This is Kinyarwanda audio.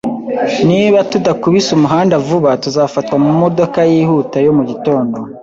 Niba tudakubise umuhanda vuba, tuzafatwa mumodoka yihuta yo mu gitondo.